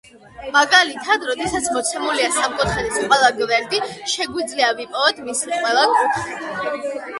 მაგალითად, როდესაც მოცემულია სამკუთხედის ყველა გვერდი, შეგვიძლია ვიპოვოთ მისი ყველა კუთხე.